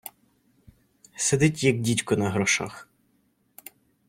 Сидить, як дідько на грошах.